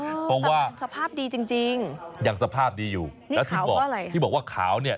สภาพดีจริงยังสภาพดีอยู่แล้วที่บอกว่าขาวเนี่ย